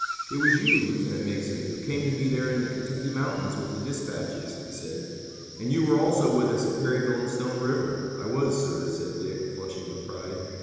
"It was you, Lieutenant Mason, who came to me there in the Kentucky mountains with the dispatches," he said, "and you were also with us at Perryville and Stone River." "I was, sir," said Dick, flushing with pride.